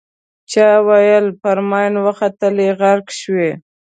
چا ویل پر ماین وختلې غرق شوې.